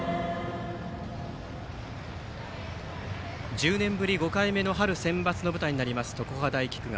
１０年ぶり５回目の春センバツの舞台になります常葉大菊川。